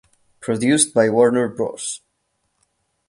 Produced by Warner Bros.